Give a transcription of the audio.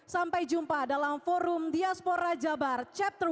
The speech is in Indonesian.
sampai jumpa dalam forum diaspora jabar chapter satu